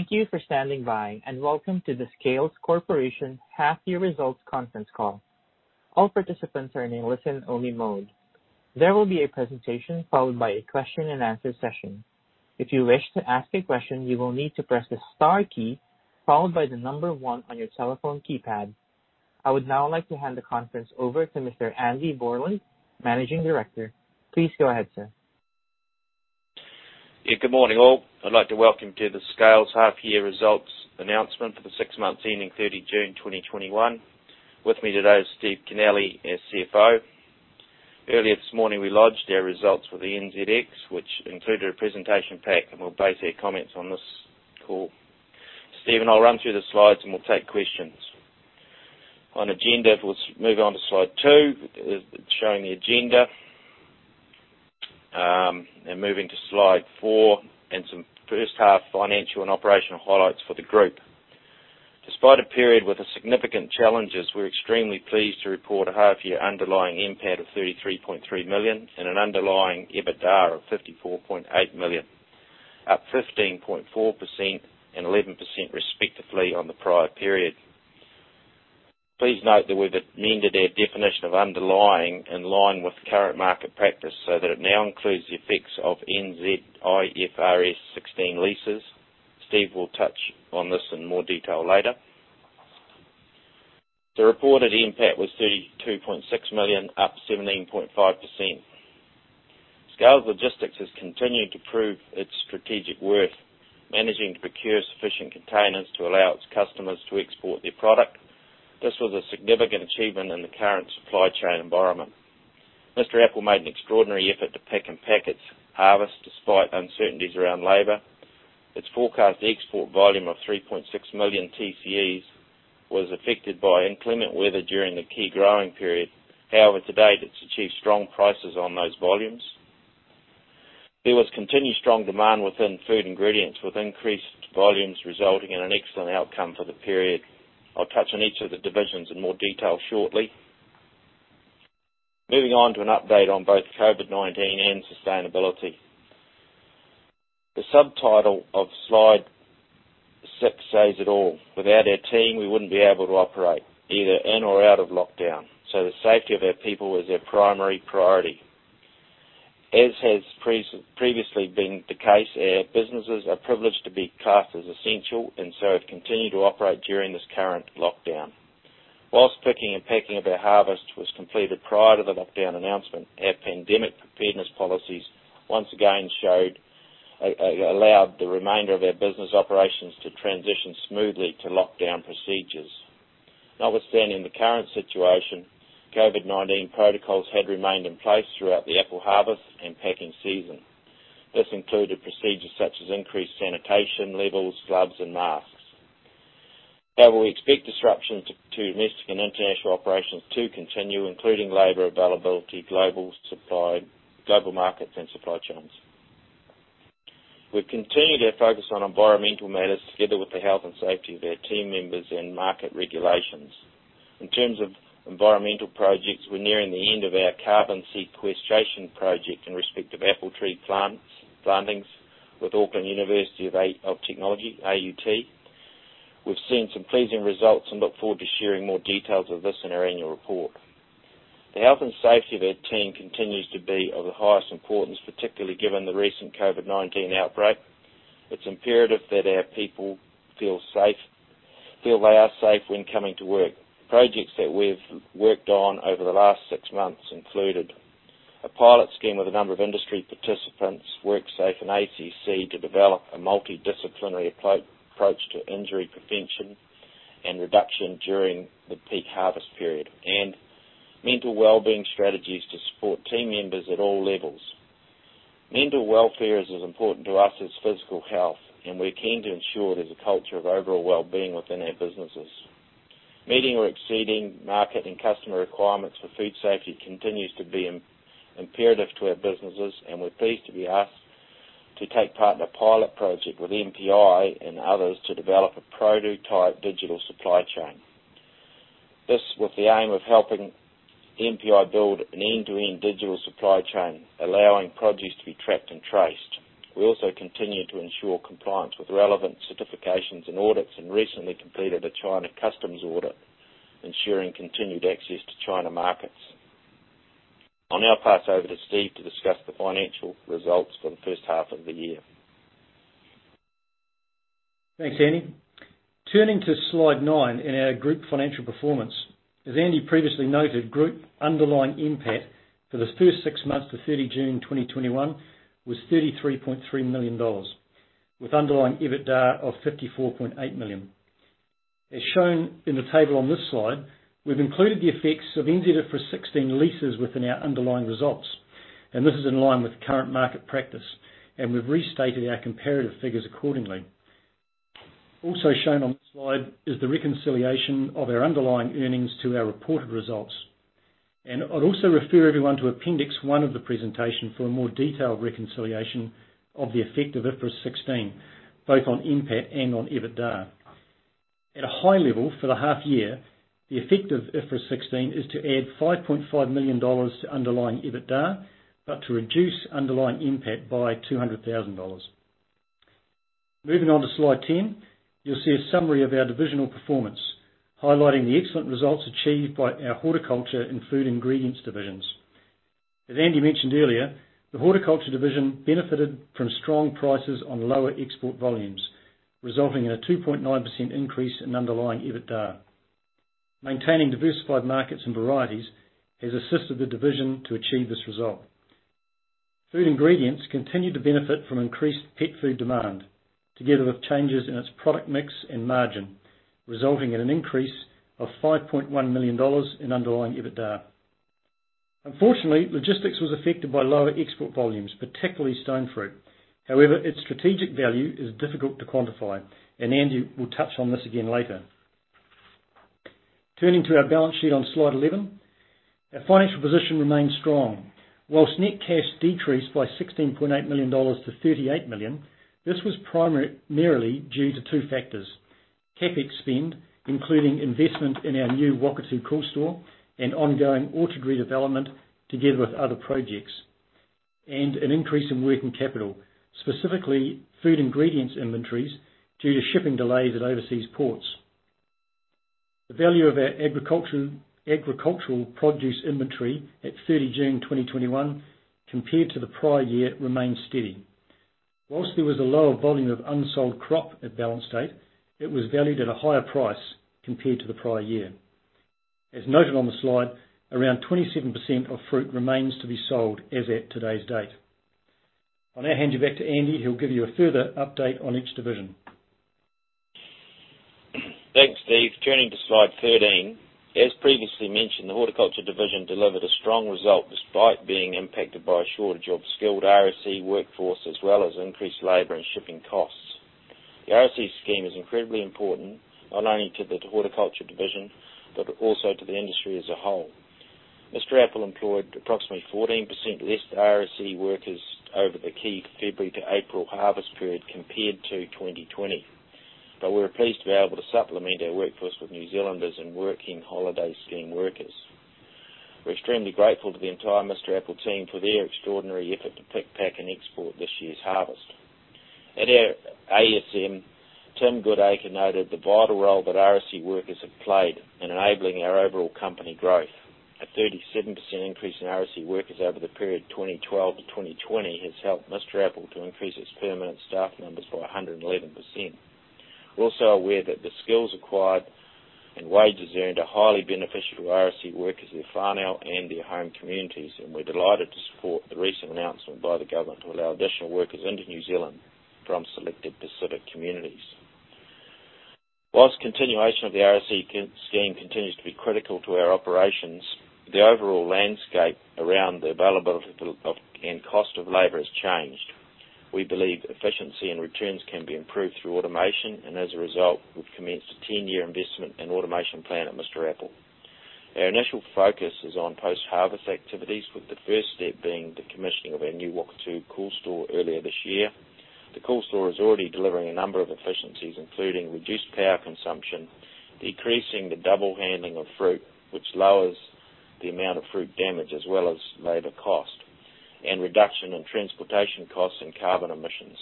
Thank you for standing by and welcome to the Scales Corporation half year results conference call. All participants are on listen only mode. There will be a presentation followed by a question and answer session. If you wish to ask a question you will need to press the star key followed by the number one on your telephone keypad. I would now like to hand the conference over to Mr. Andy Borland, Managing Director. Please go ahead, sir. Yeah, good morning, all. I'd like to welcome you to the Scales half-year results announcement for the six months ending June 30, 2021. With me today is Steve Kennelly, our CFO. Earlier this morning, we lodged our results with the NZX, which included a presentation pack, and we'll base our comments on this call. Steve, I'll run through the slides, and we'll take questions. On agenda, if we move on to slide two, showing the agenda. Moving to slide four and some first-half financial and operational highlights for the group. Despite a period with significant challenges, we're extremely pleased to report a half-year underlying NPAT of 33.3 million and an underlying EBITDA of 54.8 million, up 15.4% and 11% respectively on the prior period. Please note that we've amended our definition of underlying in line with current market practice, so that it now includes the effects of NZ IFRS 16 leases. Steve will touch on this in more detail later. The reported NPAT was 32.6 million, up 17.5%. Scales Logistics has continued to prove its strategic worth, managing to procure sufficient containers to allow its customers to export their product. This was a significant achievement in the current supply chain environment. Mr. Apple made an extraordinary effort to pick and pack its harvest, despite uncertainties around labor. Its forecast export volume of 3.6 million TCEs was affected by inclement weather during the key growing period. However, to date, it's achieved strong prices on those volumes. There was continued strong demand within Food Ingredients, with increased volumes resulting in an excellent outcome for the period. I'll touch on each of the divisions in more detail shortly. Moving on to an update on both COVID-19 and sustainability. The subtitle of slide six says it all. Without our team, we wouldn't be able to operate either in or out of lockdown, so the safety of our people is our primary priority. As has previously been the case, our businesses are privileged to be classed as essential and so have continued to operate during this current lockdown. Whilst picking and packing of our harvest was completed prior to the lockdown announcement, our pandemic preparedness policies once again allowed the remainder of our business operations to transition smoothly to lockdown procedures. Notwithstanding the current situation, COVID-19 protocols had remained in place throughout the apple harvest and packing season. This included procedures such as increased sanitation levels, gloves, and masks. We expect disruptions to domestic and international operations to continue, including labor availability, global supply, global markets, and supply chains. We've continued our focus on environmental matters together with the health and safety of our team members and market regulations. In terms of environmental projects, we're nearing the end of our carbon sequestration project in respect of apple tree plantings with Auckland University of Technology, AUT. We've seen some pleasing results and look forward to sharing more details of this in our annual report. The health and safety of our team continues to be of the highest importance, particularly given the recent COVID-19 outbreak. It's imperative that our people feel they are safe when coming to work. Projects that we've worked on over the last six months included a pilot scheme with a number of industry participants, WorkSafe, and ACC to develop a multidisciplinary approach to injury prevention and reduction during the peak harvest period, and mental well-being strategies to support team members at all levels. Mental welfare is as important to us as physical health. We're keen to ensure there's a culture of overall well-being within our businesses. Meeting or exceeding market and customer requirements for food safety continues to be imperative to our businesses. We're pleased to be asked to take part in a pilot project with MPI and others to develop a produce-type digital supply chain. This with the aim of helping MPI build an end-to-end digital supply chain, allowing produce to be tracked and traced. We also continue to ensure compliance with relevant certifications and audits and recently completed a China customs audit, ensuring continued access to China markets. I'll now pass over to Steve to discuss the financial results for the first half of the year. Thanks, Andy. Turning to slide nine in our group financial performance. As Andy previously noted, group underlying NPAT for the first six months to June 30, 2021 was 33.3 million dollars, with underlying EBITDA of 54.8 million. As shown in the table on this slide, we've included the effects of NZ IFRS 16 leases within our underlying results, and this is in line with current market practice, and we've restated our comparative figures accordingly. Also shown on this slide is the reconciliation of our underlying earnings to our reported results, and I'd also refer everyone to appendix one of the presentation for a more detailed reconciliation of the effect of IFRS 16, both on NPAT and on EBITDA. At a high level for the half year, the effect of IFRS 16 is to add 5.5 million dollars to underlying EBITDA, but to reduce underlying NPAT by 200,000 dollars. Moving on to slide 10, you'll see a summary of our divisional performance, highlighting the excellent results achieved by our Horticulture and Food Ingredients divisions. As Andy mentioned earlier, the Horticulture division benefited from strong prices on lower export volumes, resulting in a 2.9% increase in underlying EBITDA. Maintaining diversified markets and varieties has assisted the division to achieve this result. Food Ingredients continued to benefit from increased pet food demand together with changes in its product mix and margin, resulting in an increase of 5.1 million dollars in underlying EBITDA. Unfortunately, logistics was affected by lower export volumes, particularly stone fruit. However, its strategic value is difficult to quantify, and Andy will touch on this again later. Turning to our balance sheet on slide 11, our financial position remains strong. Whilst net cash decreased by NZD 16.8 million-NZD 38 million, this was primarily due to two factors: CapEx spend, including investment in our new Whakatu coolstore and ongoing orchard redevelopment together with other projects, and an increase in working capital, specifically Food Ingredients inventories due to shipping delays at overseas ports. The value of our agricultural produce inventory at June 30, 2021 compared to the prior year remained steady. Whilst there was a lower volume of unsold crop at balance date, it was valued at a higher price compared to the prior year. As noted on the slide, around 27% of fruit remains to be sold as at today's date. I'll now hand you back to Andy, who'll give you a further update on each division. Thanks, Steve. Turning to slide 13. As previously mentioned, the Horticulture Division delivered a strong result despite being impacted by a shortage of skilled RSE workforce, as well as increased labor and shipping costs. The RSE scheme is incredibly important, not only to the Horticulture Division, but also to the industry as a whole. Mr. Apple employed approximately 14% less RSE workers over the key February to April harvest period, compared to 2020. We're pleased to be able to supplement our workforce with New Zealanders and working holiday scheme workers. We're extremely grateful to the entire Mr. Apple team for their extraordinary effort to pick, pack, and export this year's harvest. At our ASM, Tim Goodacre noted the vital role that RSE workers have played in enabling our overall company growth. A 37% increase in RSE workers over the period 2012-2020 has helped Mr. Apple to increase its permanent staff numbers by 111%. We're also aware that the skills acquired and wages earned are highly beneficial to RSE workers, their whānau, and their home communities, and we're delighted to support the recent announcement by the government to allow additional workers into New Zealand from selected Pacific communities. Whilst continuation of the RSE scheme continues to be critical to our operations, the overall landscape around the availability of and cost of labor has changed. We believe efficiency and returns can be improved through automation, and as a result, we've commenced a 10-year investment in automation plan at Mr. Apple. Our initial focus is on post-harvest activities, with the first step being the commissioning of our new Whakatu coolstore earlier this year. The cool store is already delivering a number of efficiencies, including reduced power consumption, decreasing the double handling of fruit, which lowers the amount of fruit damage, as well as labor cost, and reduction in transportation costs and carbon emissions.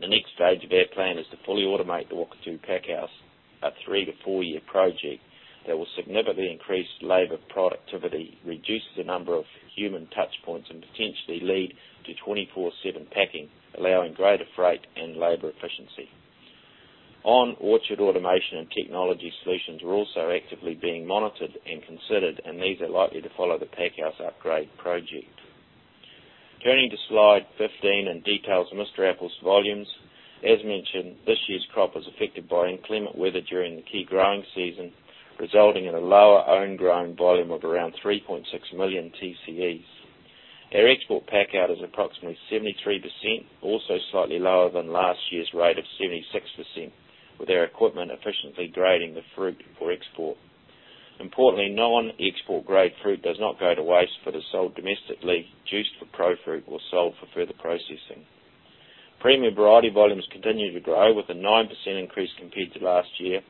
The next stage of our plan is to fully automate the Whakatu packhouse, a three to four year project that will significantly increase labor productivity, reduce the number of human touch points, and potentially lead to 24/7 packing, allowing greater freight and labor efficiency. Orchard automation and technology solutions, we're also actively being monitored and considered. These are likely to follow the packhouse upgrade project. Turning to slide 15 in details of Mr. Apple's volumes. As mentioned, this year's crop was affected by inclement weather during the key growing season, resulting in a lower own grown volume of around 3.6 million TCEs. Our export packout is approximately 73%, also slightly lower than last year's rate of 76%, with our equipment efficiently grading the fruit for export. Importantly, non-export grade fruit does not go to waste, for they're sold domestically, juiced for Profruit, or sold for further processing. Premium variety volumes continued to grow with a 9% increase compared to last year,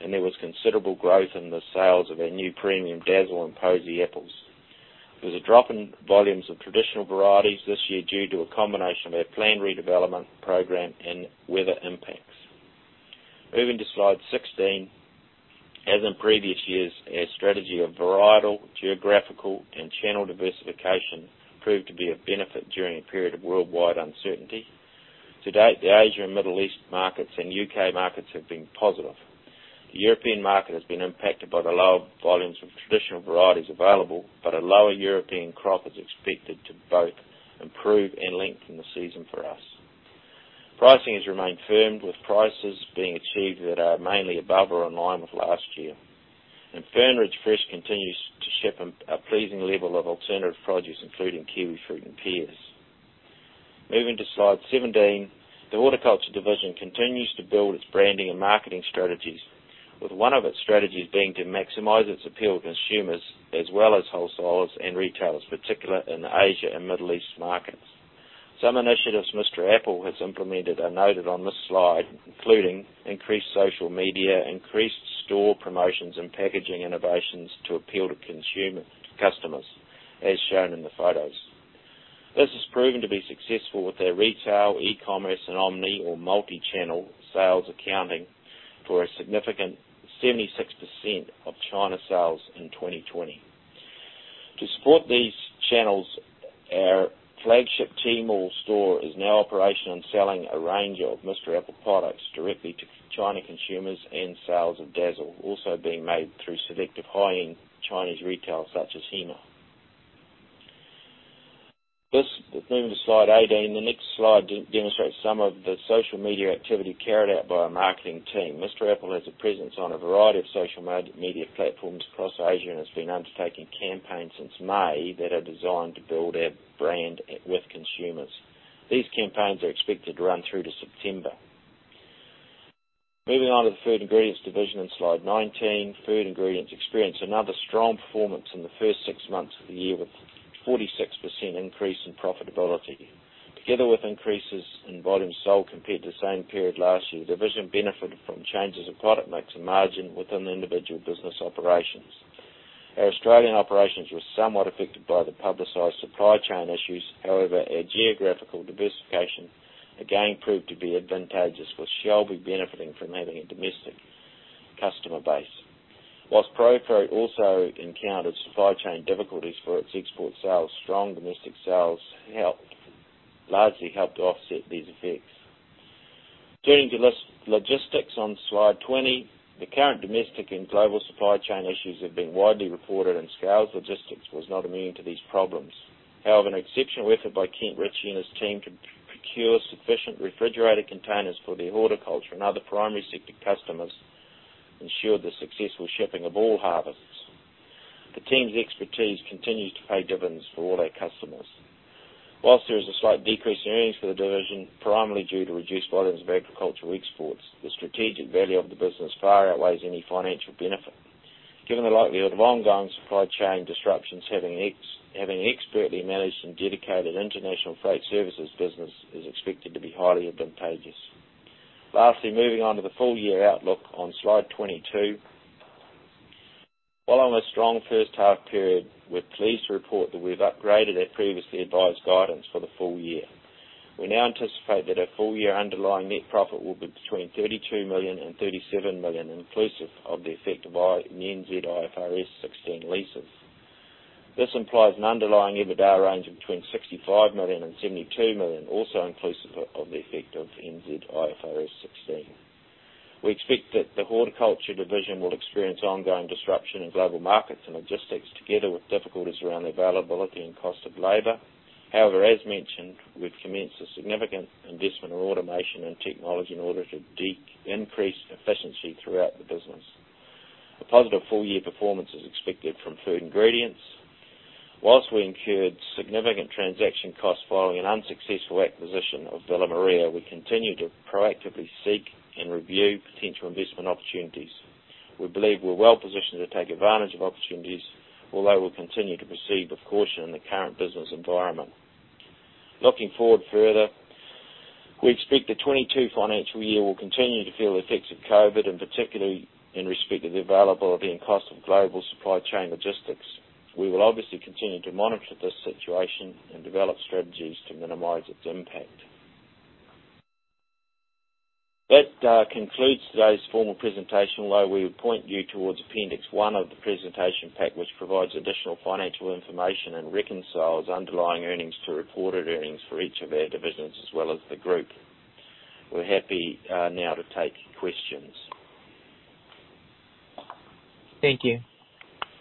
and there was considerable growth in the sales of our new premium Dazzle and Posy apples. There was a drop in volumes of traditional varieties this year due to a combination of our planned redevelopment program and weather impacts. Moving to slide 16. As in previous years, our strategy of varietal, geographical, and channel diversification proved to be of benefit during a period of worldwide uncertainty. To date, the Asia and Middle East markets and U.K. markets have been positive. The European market has been impacted by the lower volumes of traditional varieties available, but a lower European crop is expected to both improve and lengthen the season for us. Pricing has remained firm, with prices being achieved that are mainly above or in line with last year. Fern Ridge Fresh continues to ship a pleasing level of alternative produce, including kiwi fruit and pears. Moving to slide 17. The Horticulture division continues to build its branding and marketing strategies, with one of its strategies being to maximize its appeal to consumers as well as wholesalers and retailers, particularly in the Asia and Middle East market. Some initiatives Mr. Apple has implemented are noted on this slide, including increased social media, increased store promotions, and packaging innovations to appeal to customers, as shown in the photos. This has proven to be successful with their retail, e-commerce, and omni or multi-channel sales accounting for a significant 76% of China sales in 2020. To support these channels, our flagship Tmall store is now operational in selling a range of Mr. Apple products directly to China consumers and sales of Dazzle also being made through selective high-end Chinese retailers such as Hema. Moving to slide 18. The next slide demonstrates some of the social media activity carried out by our marketing team. Mr. Apple has a presence on a variety of social media platforms across Asia and has been undertaking campaigns since May that are designed to build our brand with consumers. These campaigns are expected to run through to September. Moving on to the Food Ingredients division on slide 19. Food Ingredients experienced another strong performance in the first six months of the year, with 46% increase in profitability. Together with increases in volume sold compared to the same period last year, the division benefited from changes in product mix and margin within the individual business operations. Our Australian operations were somewhat affected by the publicized supply chain issues. Our geographical diversification again proved to be advantageous for Shelby benefiting from having a domestic customer base. ProGro also encountered supply chain difficulties for its export sales, strong domestic sales largely helped to offset these effects. Turning to logistics on Slide 20. The current domestic and global supply chain issues have been widely reported, Scales Logistics was not immune to these problems. However, an exceptional effort by Kent Ritchie and his team to procure sufficient refrigerated containers for their horticulture and other primary sector customers ensured the successful shipping of all harvests. The team's expertise continues to pay dividends for all our customers. Whilst there is a slight decrease in earnings for the division, primarily due to reduced volumes of agricultural exports, the strategic value of the business far outweighs any financial benefit. Given the likelihood of ongoing supply chain disruptions, having an expertly managed and dedicated international freight services business is expected to be highly advantageous. Lastly, moving on to the full-year outlook on slide 22. Following a strong first half period, we're pleased to report that we've upgraded our previously advised guidance for the full year. We now anticipate that our full-year underlying net profit will be between 32 million and 37 million, inclusive of the effect of the NZ IFRS 16 leases. This implies an underlying EBITDA range of between 65 million and 72 million, also inclusive of the effect of NZ IFRS 16. We expect that the Horticulture division will experience ongoing disruption in global markets and logistics, together with difficulties around the availability and cost of labor. However, as mentioned, we've commenced a significant investment in automation and technology in order to increase efficiency throughout the business. A positive full-year performance is expected from Food Ingredients. Whilst we incurred significant transaction costs following an unsuccessful acquisition of Villa Maria, we continue to proactively seek and review potential investment opportunities. We believe we're well positioned to take advantage of opportunities, although we'll continue to proceed with caution in the current business environment. Looking forward further, we expect the 2022 financial year will continue to feel the effects of COVID and particularly in respect of the availability and cost of global supply chain logistics. We will obviously continue to monitor this situation and develop strategies to minimize its impact. That concludes today's formal presentation, although we would point you towards appendix one of the presentation pack, which provides additional financial information and reconciles underlying earnings to reported earnings for each of our divisions as well as the group. We're happy now to take questions. Thank you.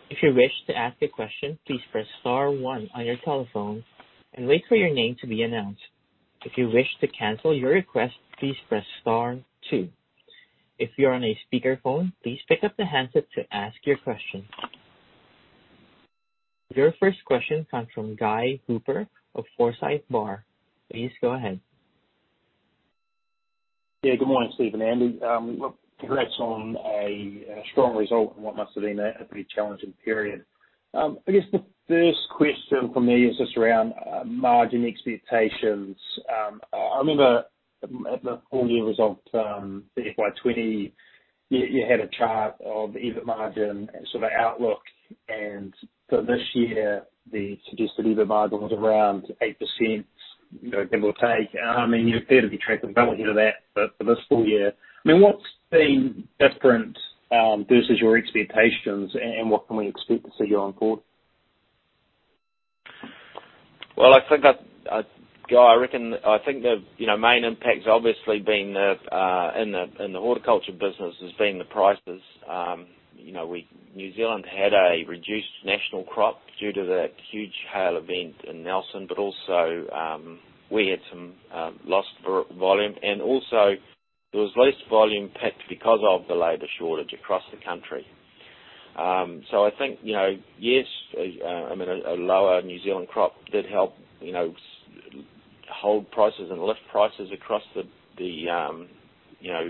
If you wish to ask a question, please press star one on your telephone and wait for your name to be announced. If you wish to cancel your request, please press star two. If you're on a speakerphone, please pick up the handset to ask your question. Your first question comes from Guy Hooper of Forsyth Barr. Please go ahead. Yeah, good morning, Steve and Andy. Congrats on a strong result in what must have been a pretty challenging period. I guess the first question from me is just around margin expectations. I remember at the full year results, the FY 2020, you had a chart of EBIT margin sort of outlook, and for this year, the suggested EBIT margin was around 8%, give or take. You appear to be tracking well ahead of that for this full year. What's been different versus your expectations and what can we expect to see going forward? Well, Guy, I think the main impact's obviously been, in the horticulture business, has been the prices. New Zealand had a reduced national crop due to that huge hail event in Nelson, but also we had some lost volume, and also there was less volume picked because of the labor shortage across the country. I think, yes, a lower New Zealand crop did help hold prices and lift prices across the apple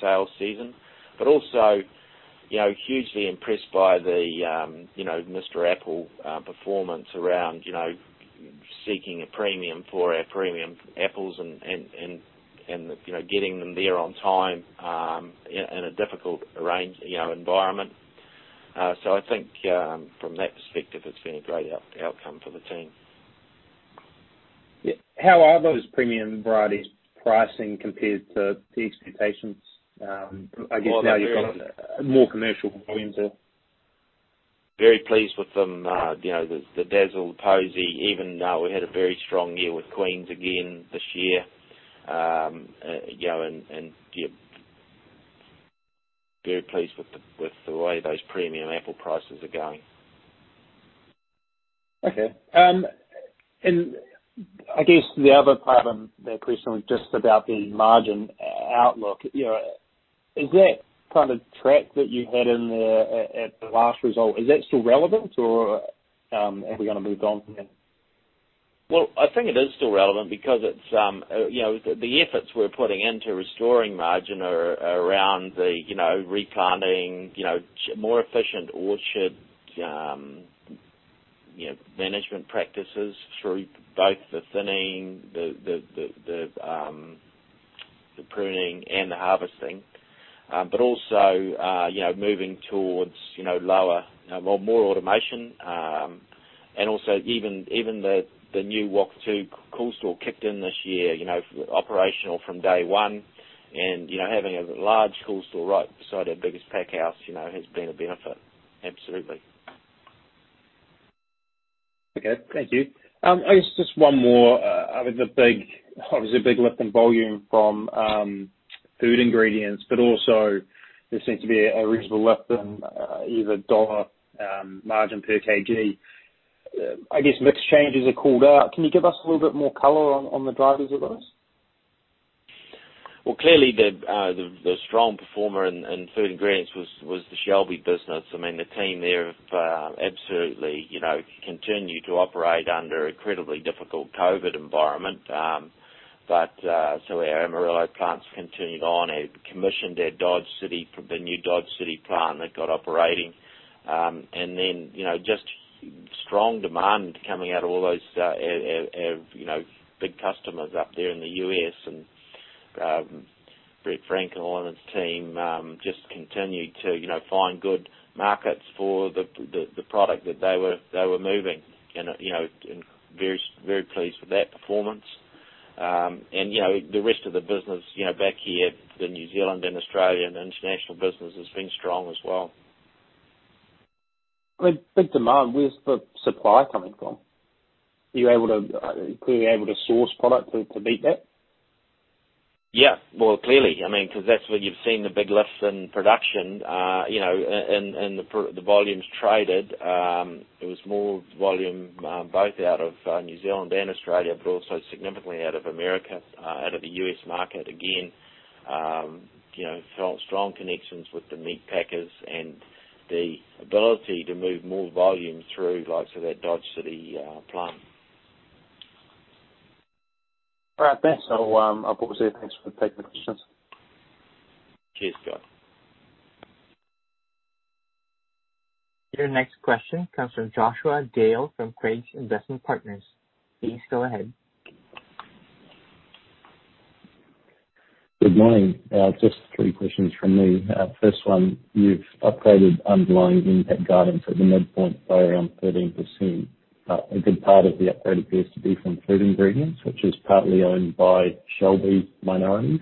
sales season. Also hugely impressed by the Mr. Apple performance around seeking a premium for our premium apples and getting them there on time in a difficult environment. I think from that perspective, it's been a great outcome for the team. Yeah. How are those premium varieties pricing compared to the expectations? I guess now you've got more commercial volumes there. Very pleased with them. The Dazzle, Posy, even though we had a very strong year with Queens again this year. Yeah, very pleased with the way those premium apple prices are going. Okay. I guess the other part of that question was just about the margin outlook. Is that track that you had at the last result, is that still relevant or have we kind of moved on from that? Well, I think it is still relevant because the efforts we're putting into restoring margin are around the replanting, more efficient orchard, management practices through both the thinning, the pruning and the harvesting. Also, moving towards more automation, and also even the new Whakatu two cool store kicked in this year, operational from day one. Having a large cool store right beside our biggest pack house, has been a benefit. Absolutely. Okay, thank you. I guess just one more. With the big, obviously big lift in volume from Food Ingredients, there seems to be a reasonable lift in EBITDA margin per kg. I guess mix changes are called out. Can you give us a little bit more color on the drivers of those? Well, clearly the strong performer in Food Ingredients was the Shelby business. I mean, the team there have absolutely continued to operate under incredibly difficult COVID environment. Our Amarillo plants continued on and commissioned their Dodge City, the new Dodge City plant that got operating. Just strong demand coming out of all those big customers up there in the U.S., and Brett Frankel and all of his team, just continued to find good markets for the product that they were moving and very pleased with that performance. The rest of the business back here, the New Zealand and Australian international business has been strong as well. With big demand, where's the supply coming from? Were you able to source product to beat that? Yeah. Well, clearly, because that's where you've seen the big lifts in production, and the volumes traded. It was more volume, both out of New Zealand and Australia, but also significantly out of America, out of the U.S. market again. Felt strong connections with the meat packers and the ability to move more volume through likes of that Dodge City plant. All right, thanks. I'll pop off here. Thanks for taking the questions. Cheers, Guy. Your next question comes from Joshua Dale from Craigs Investment Partners. Please go ahead. Good morning. Just three questions from me. First one, you've upgraded underlying impact guidance at the midpoint by around 13%. A good part of the upgrade appears to be from Food Ingredients, which is partly owned by Shelby minorities.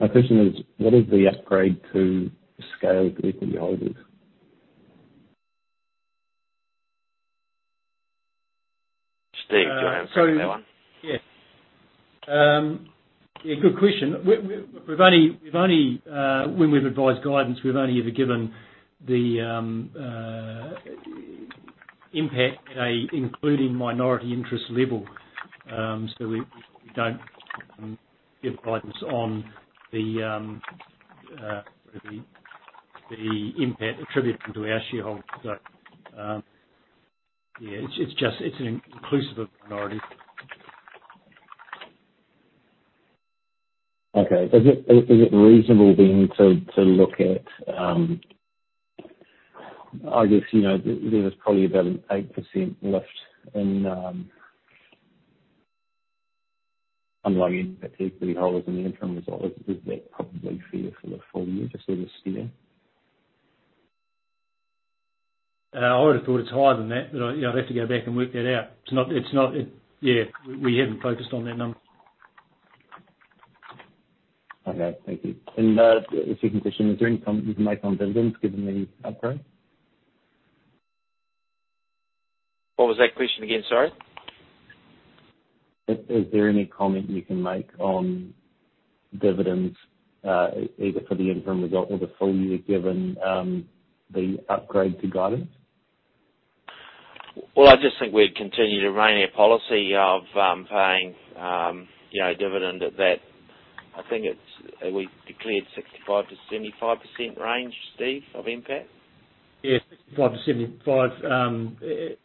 My question is, what is the upgrade to Scales equity holders? Steve, do you want to answer that one? Yeah. Good question. When we've advised guidance, we've only ever given the impact at a including minority interest level. We don't give guidance on the impact attributable to our shareholders. Yeah, it's inclusive of minorities. Okay. Is it reasonable to look at, I guess, there was probably about an 8% lift in underlying impact to equity holders in the interim result. Is that probably fair for the full year, just sort of steering? I would have thought it's higher than that, but I'd have to go back and work that out. Yeah, we haven't focused on that number. Okay, thank you. The second question, is there any comment you can make on dividends given the upgrade? What was that question again? Sorry. Is there any comment you can make on dividends, either for the interim result or the full year, given the upgrade to guidance? Well, I just think we'd continue to rein our policy of paying dividend at that, we've declared 65%-75% range, Steve, of impact? Yeah, 65%-75%,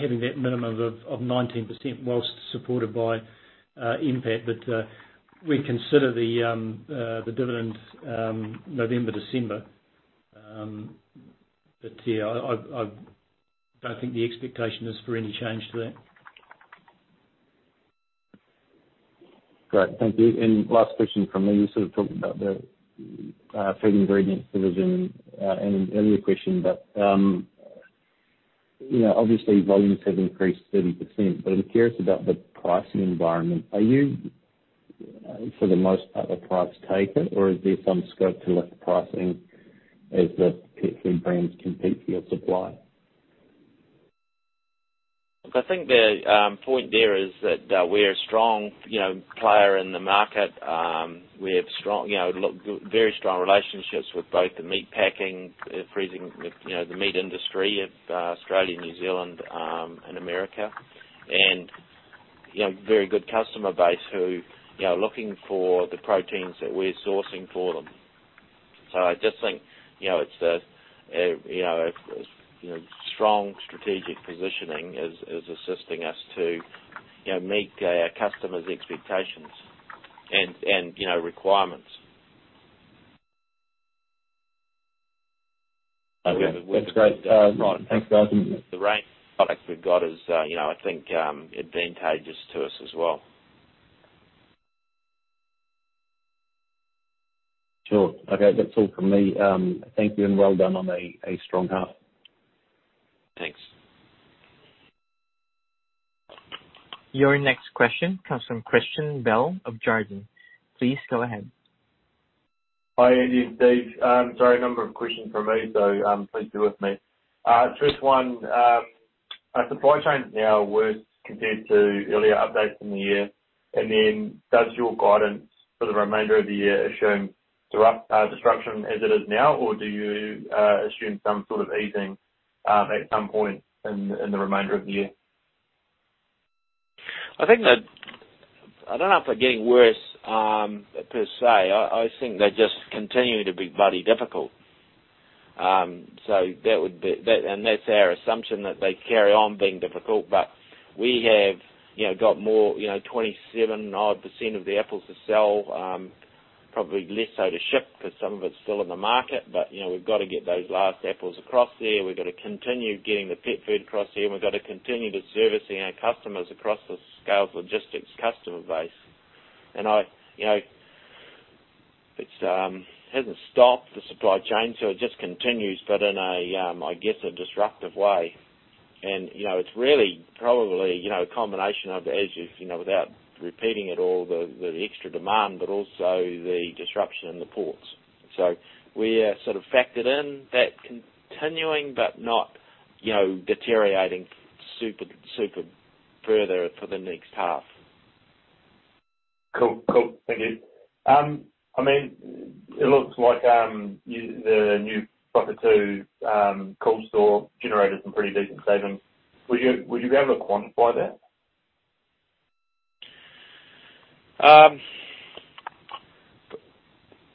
having that minimum of 19% whilst supported by NPAT. We consider the dividend November, December. Yeah, I don't think the expectation is for any change to that. Great. Thank you. Last question from me. You sort of talked about the feed ingredients that was in an earlier question, but obviously volumes have increased 30%, but I am curious about the pricing environment. Are you, for the most part, a price taker, or is there some scope to lift pricing as the pet food brands compete for your supply? I think the point there is that we are a strong player in the market. We have very strong relationships with both the meat packing, freezing, the meat industry of Australia, New Zealand, and America, and very good customer base who looking for the proteins that we're sourcing for them. I just think, strong strategic positioning is assisting us to meet our customers' expectations and requirements. Okay. That's great. Right. Thanks, guys. The range of products we've got is, I think, advantageous to us as well. Sure. Okay. That's all from me. Thank you, and well done on a strong half. Thanks. Your next question comes from Christian Bell of Jarden. Please go ahead. Hi, Andy and Steve. Sorry, a number of questions from me, so please bear with me. First one, are supply chains now worse compared to earlier updates in the year? Does your guidance for the remainder of the year assume disruption as it is now, or do you assume some sort of easing at some point in the remainder of the year? I don't know if they're getting worse per se. I think they just continue to be bloody difficult. That's our assumption that they carry on being difficult. We have got more, 27 odd percent of the apples to sell, probably less so to ship because some of it's still in the market. We've got to get those last apples across there. We've got to continue getting the pet food across there, and we've got to continue to servicing our customers across the Scales Logistics customer base. It hasn't stopped, the supply chain, so it just continues, but in a, I guess, a disruptive way. It's really probably a combination of, as you, without repeating it all, the extra demand, but also the disruption in the ports. We sort of factored in that continuing, but not deteriorating super further for the next half. Cool. Thank you. It looks like the new Whakatu cool store generated some pretty decent savings. Would you be able to quantify that?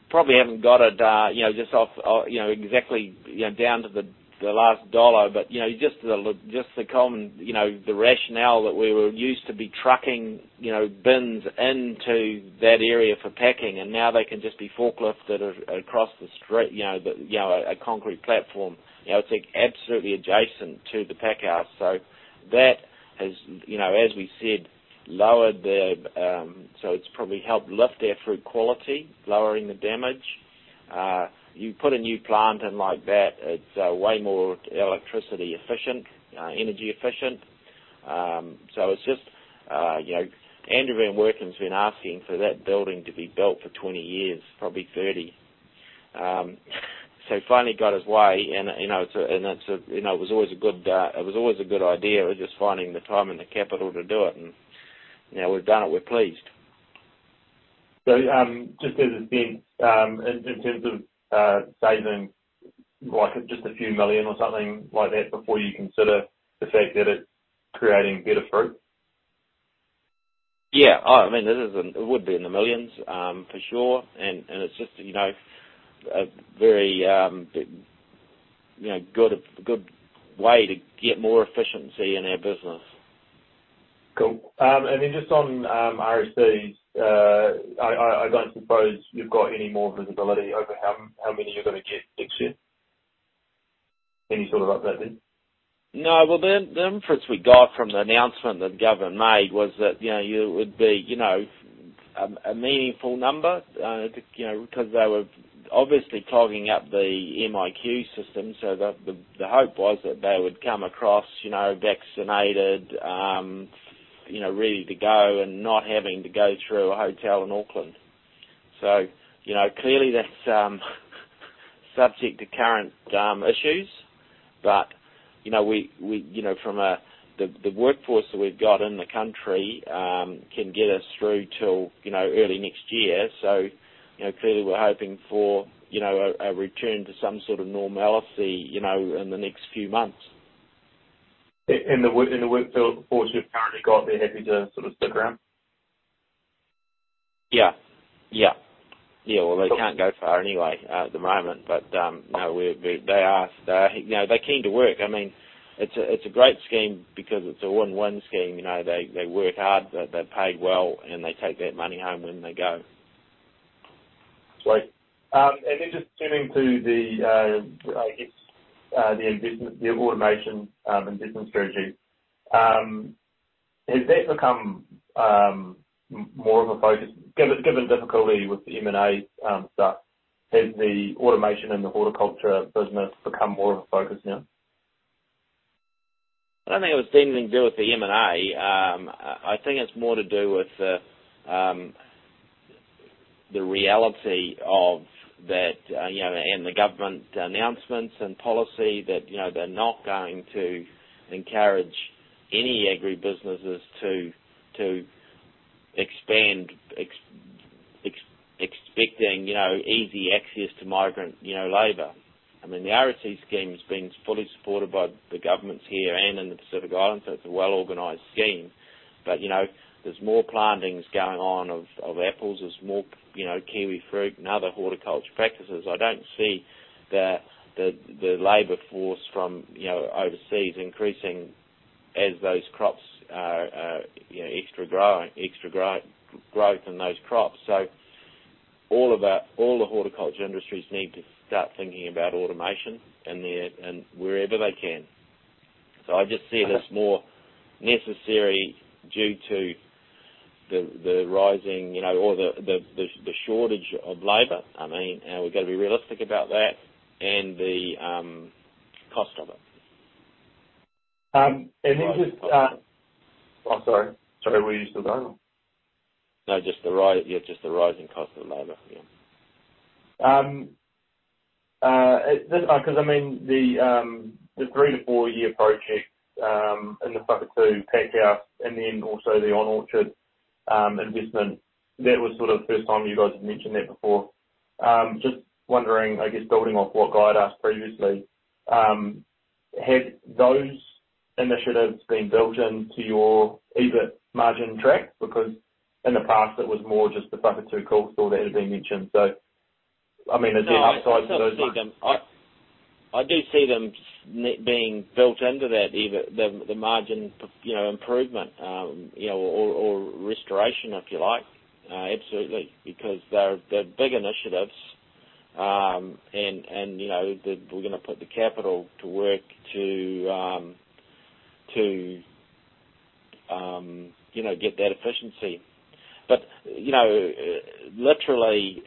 Probably haven't got it exactly down to the last dollar. Just the common rationale that we were used to be trucking bins into that area for packing, and now they can just be forklifted across the street, a concrete platform. It's like absolutely adjacent to the pack house. That has, as we said, it's probably helped lift our fruit quality, lowering the damage. You put a new plant in like that, it's way more electricity efficient, energy efficient. It's just Andrew van Workum's been asking for that building to be built for 20 years, probably 30. He finally got his way, and it was always a good idea. It was just finding the time and the capital to do it, and now we've done it. We're pleased. Just as it's been, in terms of savings, like just NZD a few million or something like that before you consider the fact that it's creating better fruit? Yeah. Oh, it would be in the millions, for sure. It's just a very good way to get more efficiency in our business. Cool. Just on RSEs, I don't suppose you've got any more visibility over how many you're going to get next year? Any sort of update there? Well, the inference we got from the announcement that the government made was that it would be a meaningful number, because they were obviously clogging up the MIQ system. The hope was that they would come across vaccinated, ready to go, and not having to go through a hotel in Auckland. Clearly, that's subject to current issues. From the workforce that we've got in the country, can get us through till early next year. Clearly we're hoping for a return to some sort of normalcy in the next few months. The workforce you've currently got, they're happy to sort of stick around? Yeah. Well, they can't go far anyway at the moment. They're keen to work. It's a great scheme because it's a win-win scheme. They work hard, they're paid well, and they take that money home when they go. Great. Then just turning to the investment, the automation investment strategy. Has that become more of a focus? Given difficulty with the M&A stuff, has the automation and the horticulture business become more of a focus now? I don't think it was anything to do with the M&A. I think it's more to do with the reality of that. The government announcements and policy that they're not going to encourage any agribusinesses to expand, expecting easy access to migrant labor. The RSE scheme has been fully supported by the governments here and in the Pacific Islands. It's a well-organized scheme. There's more plantings going on of apples. There's more kiwi fruit and other horticulture practices. I don't see the labor force from overseas increasing as those crops, extra growth in those crops. All the horticulture industries need to start thinking about automation and wherever they can. I just see this more necessary due to the rising or the shortage of labor. We've got to be realistic about that and the cost of it. Just Sorry, where are you still going? No, just the rising cost of labor for you. The three to four year project in the Whakatu packhouse and then also the on-orchard investment, that was the first time you guys have mentioned that before. Just wondering, building off what Guy had asked previously, have those initiatives been built into your EBIT margin track? In the past, it was more just the Whakatu coolstore that had been mentioned. Is there an upside to those ones? I do see them being built into that EBIT, the margin improvement or restoration, if you like. Absolutely. They're big initiatives, and we're going to put the capital to work to get that efficiency. Literally,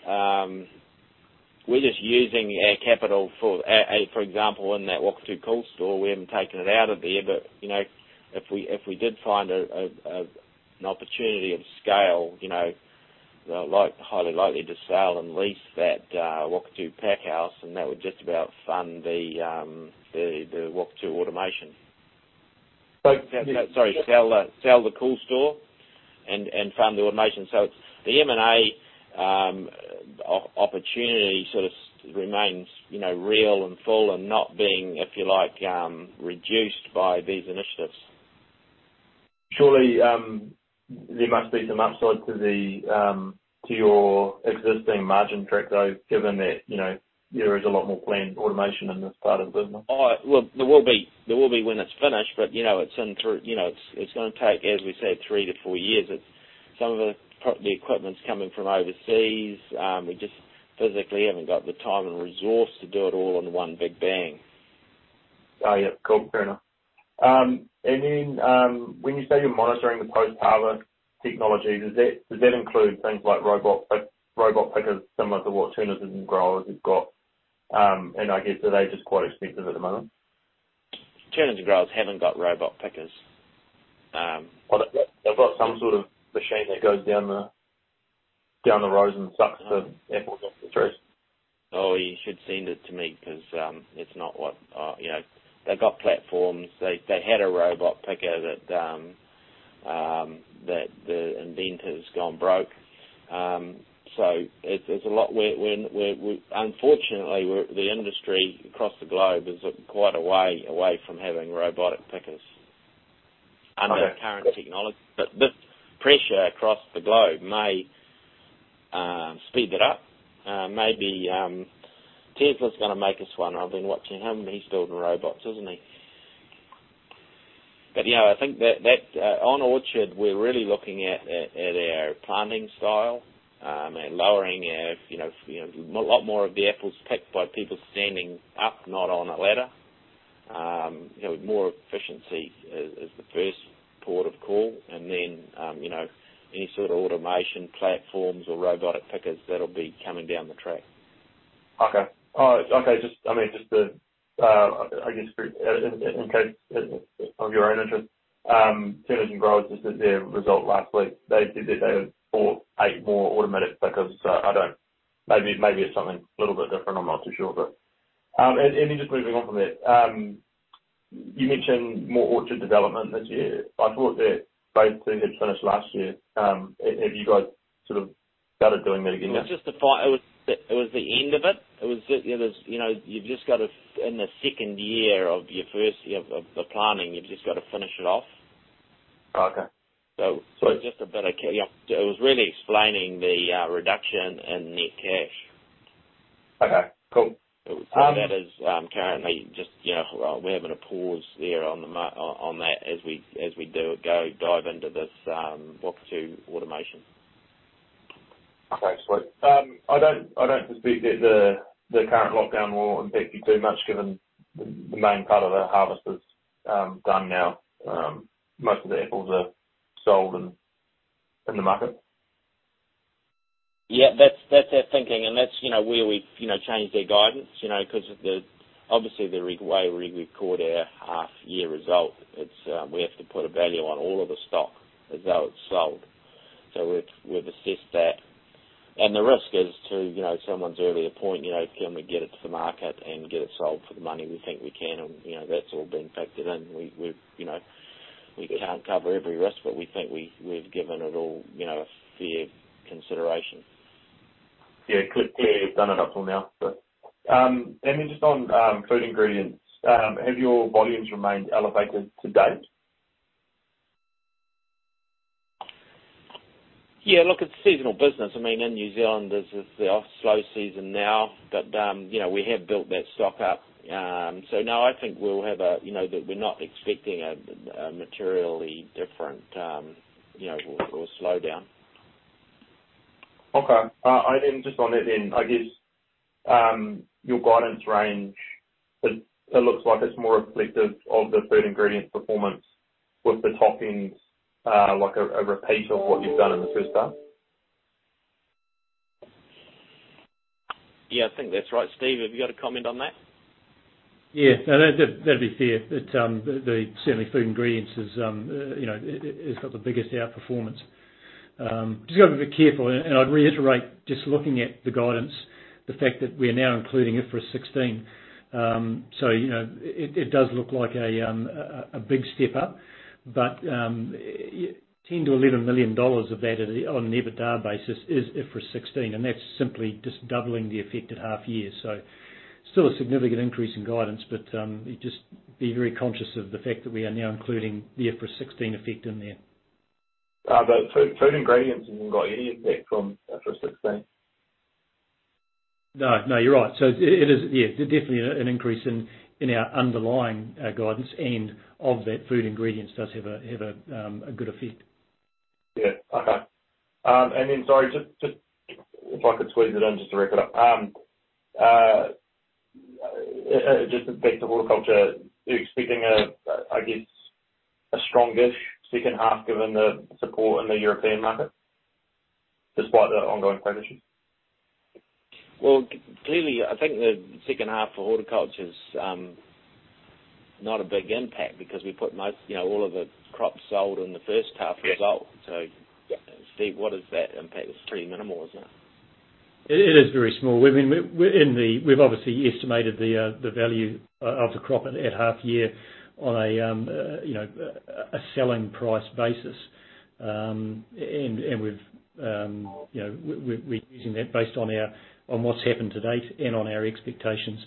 we're just using our capital. For example, in that Whakatu coolstore, we haven't taken it out of there, but if we did find an opportunity of scale, they're highly likely to sell and lease that Whakatu packhouse, and that would just about fund the Whakatu automation. So- Sorry, sell the cold store and fund the automation. The M&A opportunity sort of remains real and full and not being, if you like, reduced by these initiatives. Surely, there must be some upside to your existing margin track, though, given that there is a lot more planned automation in this part of the business. Well, there will be when it is finished, but it is going to take, as we said, three to four years. Some of the equipment is coming from overseas. We just physically haven't got the time and resource to do it all in one big bang. Oh, yeah. Cool. Fair enough. When you say you're monitoring the post-harvest technology, does that include things like robot pickers, similar to what T&G growers have got? I guess, are they just quite expensive at the moment? T&G growers haven't got robot pickers. Well, they've got some sort of machine that goes down the rows and sucks the apples off the trees. Oh, you should send it to me because it's not what They've got platforms. They had a robot picker that the inventor's gone broke. There's a lot where unfortunately, the industry across the globe is quite a way away from having robotic pickers under current technology. This pressure across the globe may speed it up. Maybe Tesla's going to make us one. I've been watching him. He's building robots, isn't he? I think that on orchard, we're really looking at our planting style, and lowering a lot more of the apples picked by people standing up, not on a ladder. More efficiency is the first port of call, and then any sort of automation platforms or robotic pickers, that'll be coming down the track. Okay. Just the, I guess, in case of your own interest, T&G growers just did their result last week. They said that they had bought eight more automatic pickers. Maybe it's something a little bit different, I'm not too sure. Just moving on from there. You mentioned more orchard development this year. I thought that phase 2 had finished last year. Have you guys started doing that again now? It was the end of it. You've just got to, in the second year of the planting, you've just got to finish it off. Okay. It was really explaining the reduction in net cash. Okay, cool. That is currently just, we're having a pause there on that as we do go dive into this Block two automation. Okay, sweet. I don't dispute that the current lockdown will impact you too much given the main part of the harvest is done now. Most of the apples are sold and in the market. Yeah. That's our thinking, and that's where we've changed our guidance, because obviously, the way we record our half-year result, we have to put a value on all of the stock as though it's sold. We've assessed that. The risk is to someone's earlier point, can we get it to the market and get it sold for the money we think we can? That's all been factored in. We can't cover every risk, but we think we've given it all a fair consideration. Yeah. Clearly, you've done it up till now, but. Just on Food Ingredients, have your volumes remained elevated to date? Yeah. Look, it's seasonal business. In New Zealand, this is the off-slow season now. We have built that stock up. No, I think we're not expecting a materially different or slowdown. Okay. Just on it, I guess, your guidance range, it looks like it's more reflective of the Food Ingredients performance with the toppings, like a repeat of what you've done in the first half. Yeah, I think that's right. Steve, have you got a comment on that? Yeah. No, that'd be fair. Certainly Food Ingredients has got the biggest outperformance. Just got to be a bit careful. I'd reiterate, just looking at the guidance, the fact that we are now including IFRS 16. It does look like a big step-up. 10 million-11 million dollars of that on an EBITDA basis is IFRS 16, and that's simply just doubling the effect at half year. Still a significant increase in guidance. Just be very conscious of the fact that we are now including the IFRS 16 effect in there. Food Ingredients hasn't got any impact from IFRS 16. No, you're right. It is, yeah, definitely an increase in our underlying guidance and of that Food Ingredients does have a good effect. Yeah. Okay. Sorry, just if I could squeeze it in just to wrap it up. Just in respect to Horticulture, you're expecting a, I guess, a strong-ish second half given the support in the European market despite the ongoing trade issue? Well, clearly, I think the second half for Horticulture's not a big impact because we put most, all of the crops sold in the first half result. Yeah. Steve, what is that impact? It's pretty minimal, isn't it? It is very small. We've obviously estimated the value of the crop at half year on a selling price basis. We're using that based on what's happened to date and on our expectations.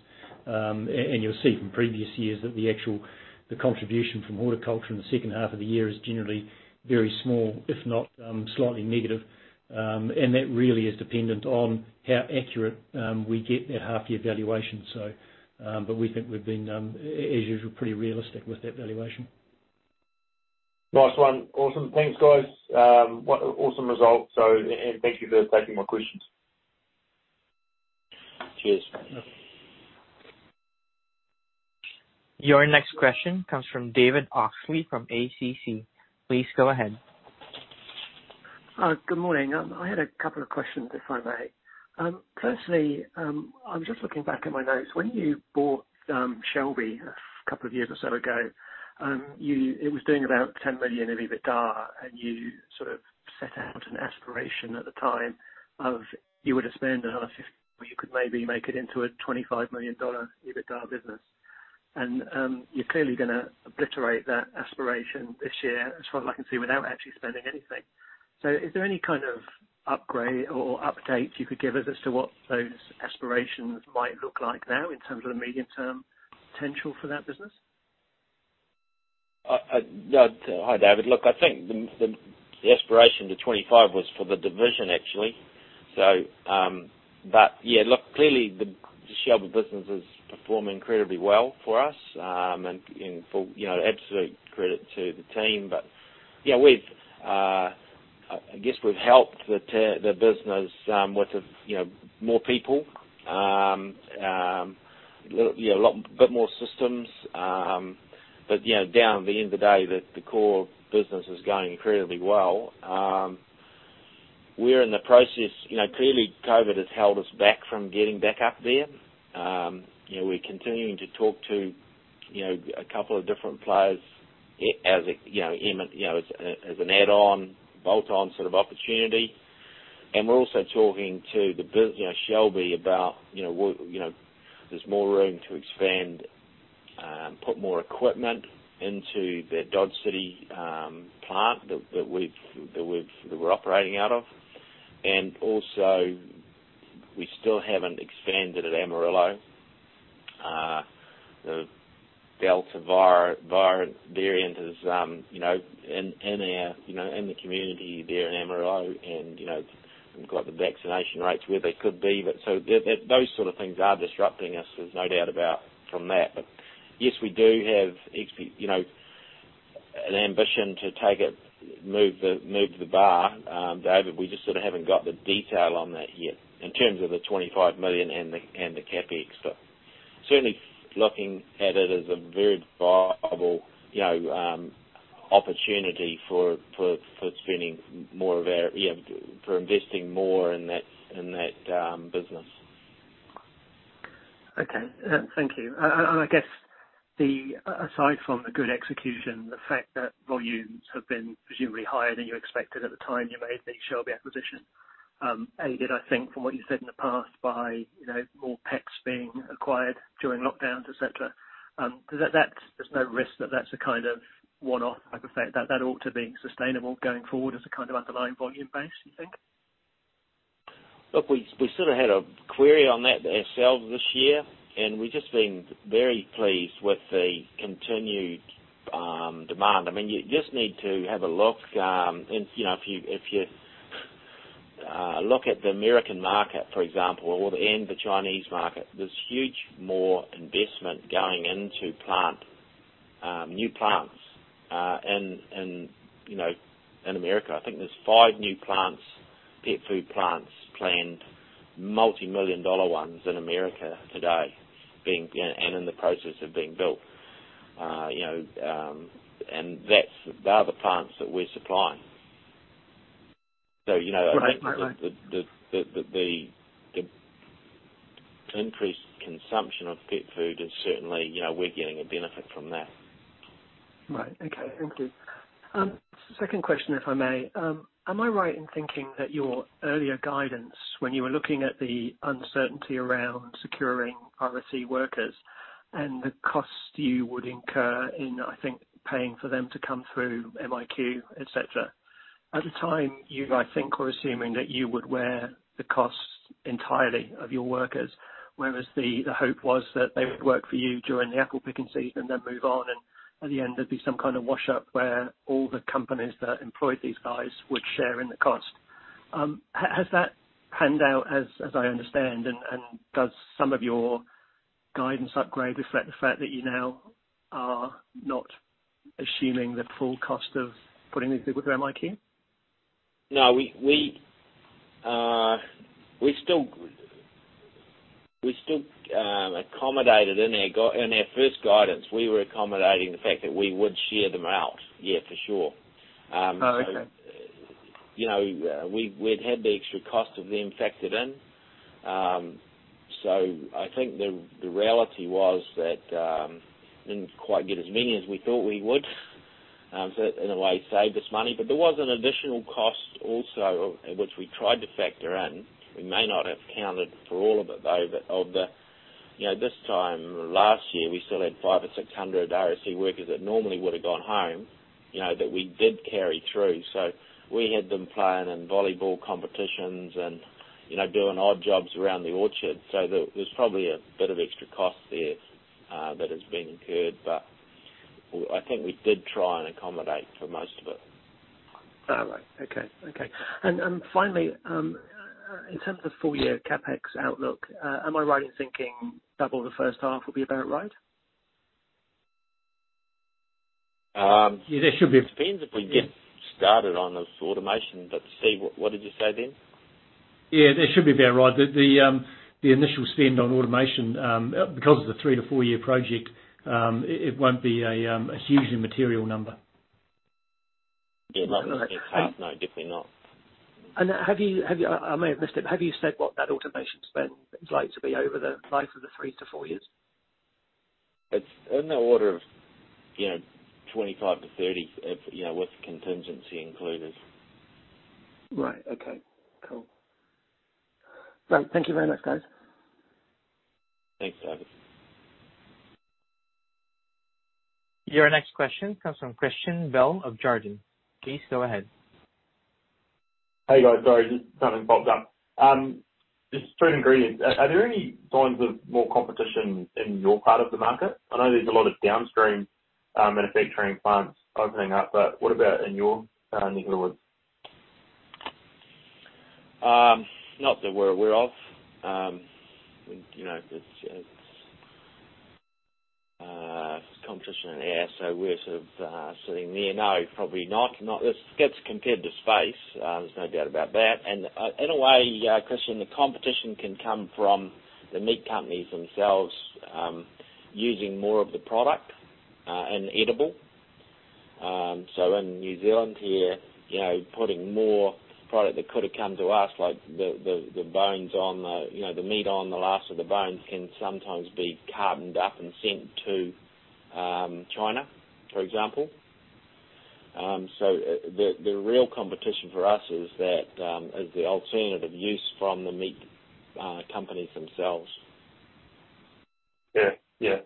You'll see from previous years that the contribution from horticulture in the second half of the year is generally very small, if not, slightly negative. That really is dependent on how accurate we get that half-year valuation. We think we've been, as usual, pretty realistic with that valuation. Nice one. Awesome. Thanks, guys. What awesome results. Thank you for taking my questions. Cheers. Yep. Your next question comes from David Oxley from ACC. Please go ahead. Good morning. I had a couple of questions, if I may. Firstly, I'm just looking back at my notes. When you bought Shelby a couple of years or so ago, it was doing about 10 million of EBITDA, and you sort of set out an aspiration at the time of you were to spend another 50 million, or you could maybe make it into a 25 million dollar EBITDA business. You're clearly going to obliterate that aspiration this year, as far as I can see, without actually spending anything. Is there any kind of upgrade or update you could give us as to what those aspirations might look like now in terms of the medium-term potential for that business? Hi, David. Look, I think the aspiration to 25 was for the division, actually. Yeah, look, clearly the Shelby Foods business is performing incredibly well for us, and absolute credit to the team. Yeah, I guess we've helped the business with more people, a lot, bit more systems. Down at the end of the day, the core business is going incredibly well. We're in the process, clearly COVID has held us back from getting back up there. We're continuing to talk to a couple different players as an add-on, bolt-on sort of opportunity. We're also talking to Shelby Foods about, there's more room to expand, put more equipment into their Dodge City plant that we're operating out of. Also, we still haven't expanded at Amarillo Delta variant is in the community there in Amarillo, and haven't got the vaccination rates where they could be. Those sort of things are disrupting us, there's no doubt about that. Yes, we do have an ambition to move the bar, David. We just haven't got the detail on that yet in terms of the 25 million and the CapEx. Certainly looking at it as a very viable opportunity for investing more in that business. Okay. Thank you. I guess, aside from the good execution, the fact that volumes have been presumably higher than you expected at the time you made the Shelby acquisition, aided, I think, from what you said in the past by more pets being acquired during lockdowns, et cetera. There's no risk that that's a kind of one-off type effect, that ought to be sustainable going forward as a kind of underlying volume base, you think? Look, we sort of had a query on that ourselves this year, and we've just been very pleased with the continued demand. You just need to have a look. If you look at the American market, for example, and the Chinese market, there's huge more investment going into new plants in America. I think there's five new pet food plants planned, multimillion-dollar ones in America today, and in the process of being built. They are the plants that we're supplying. Right. The increased consumption of pet food is certainly, we're getting a benefit from that. Right. Okay. Thank you. Second question, if I may. Am I right in thinking that your earlier guidance, when you were looking at the uncertainty around securing RSE workers and the cost you would incur in, I think, paying for them to come through MIQ, et cetera? At the time, you, I think, were assuming that you would wear the costs entirely of your workers, whereas the hope was that they would work for you during the apple picking season, then move on, and at the end, there'd be some kind of wash-up where all the companies that employed these guys would share in the cost. Has that panned out as I understand, and does some of your guidance upgrade reflect the fact that you now are not assuming the full cost of putting these people through MIQ? No, we still accommodated in our first guidance. We were accommodating the fact that we would share them out. Yeah, for sure. Oh, okay. We'd had the extra cost of them factored in. I think the reality was that we didn't quite get as many as we thought we would. In a way, saved us money. There was an additional cost also, which we tried to factor in. We may not have accounted for all of it, though. This time last year, we still had 500 or 600 RSE workers that normally would have gone home, that we did carry through. We had them playing in volleyball competitions and doing odd jobs around the orchard. There's probably a bit of extra cost there that has been incurred. I think we did try and accommodate for most of it. All right. Okay. Finally, in terms of full-year CapEx outlook, am I right in thinking double the first half will be about right? Yeah. Depends if we get started on this automation. Steve, what did you say, then? Yeah, that should be about right. The initial spend on automation, because it's a three-to-four-year project, it won't be a hugely material number. Yeah, not in the first half. No, definitely not. I may have missed it. Have you said what that automation spend is like to be over the life of the three to four years? It's in the order of 25-30 with contingency included. Right. Okay, cool. Thank you very much, guys. Thanks, David. Your next question comes from Christian Bell of Jarden. Please go ahead. Hey, guys. Sorry, just something popped up. Just Food Ingredients. Are there any signs of more competition in your part of the market? I know there's a lot of downstream manufacturing plants opening up, but what about in your neighborhood? Not that we're aware of. There's competition there, so we're sort of sitting there. No, probably not. It's competitive space, there's no doubt about that. In a way, Christian, the competition can come from the meat companies themselves using more of the product in edible. In New Zealand here, putting more product that could have come to us, like the meat on the last of the bones can sometimes be cartoned up and sent to China, for example. The real competition for us is the alternative use from the meat companies themselves. Yeah.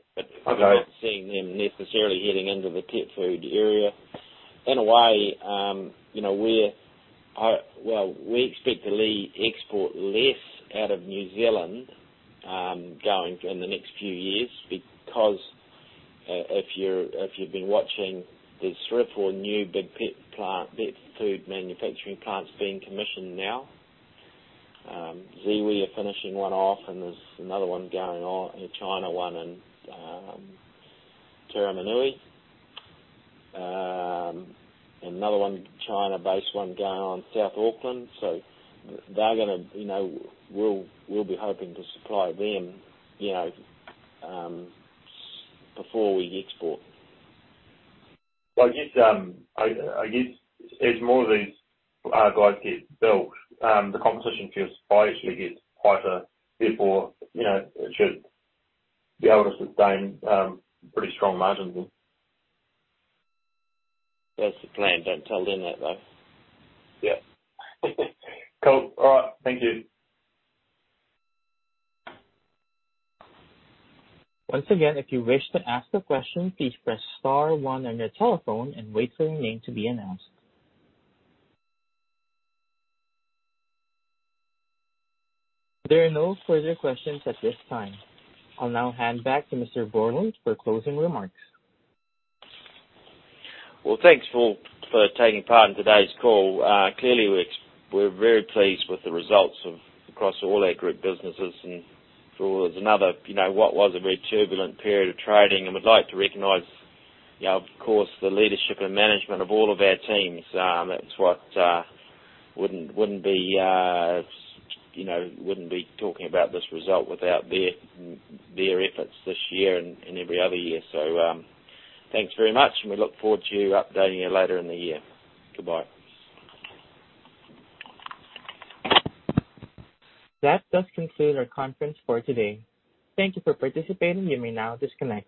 We're not seeing them necessarily heading into the pet food area. In a way, we expect to export less out of New Zealand in the next few years, because if you've been watching, there's three or four new big pet food manufacturing plants being commissioned now. Ziwi, we are finishing one off, and there's another one going on, a China one in Taumarunui. Another China-based one going on in South Auckland. We'll be hoping to supply them before we export. I guess, as more of these guys get built, the competition for supply actually gets tighter. It should be able to sustain pretty strong margins then. That's the plan. Don't tell Lynn that, though. Yeah. Cool. All right. Thank you. Once again, if you wish to ask a question, please press star one on your telephone and wait for your name to be announced. There are no further questions at this time. I'll now hand back to Mr. Borland for closing remarks. Well, thanks all for taking part in today's call. Clearly, we're very pleased with the results across all our group businesses, and through what was a very turbulent period of trading. We'd like to recognize the leadership and management of all of our teams. Wouldn't be talking about this result without their efforts this year and every other year. Thanks very much, and we look forward to updating you later in the year. Goodbye. That does conclude our conference for today. Thank you for participating. You may now disconnect.